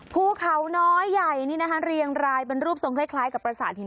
ภูเขาน้อยใหญ่นี่นะคะเรียงรายเป็นรูปทรงคล้ายกับประสานหิน